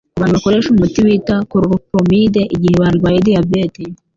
Ku bantu bakoresha umuti bita chloropromide igihe barwaye diyabete